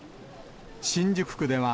新宿区では、